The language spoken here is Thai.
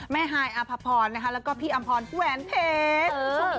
แม่น้าหายอะพภพรแล้วก็พี่อำพอนกุแหวนเพจ